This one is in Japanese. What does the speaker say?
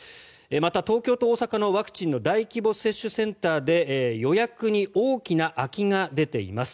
また、東京と大阪のワクチンの大規模接種センターで予約に大きな空きが出ています。